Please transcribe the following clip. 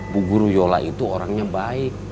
bu guru yola itu orangnya baik